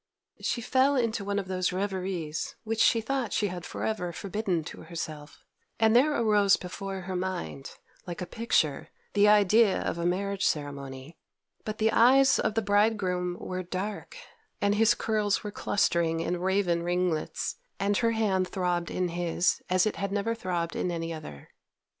She fell into one of those reveries which she thought she had for ever forbidden to herself, and there arose before her mind, like a picture, the idea of a marriage ceremony; but the eyes of the bridegroom were dark, and his curls were clustering in raven ringlets, and her hand throbbed in his as it had never throbbed in any other.